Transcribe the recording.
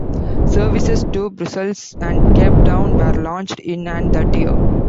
Services to Brussels and Cape Town were launched in and that year.